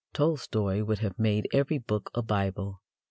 Tolstoy would have made every book a Bible.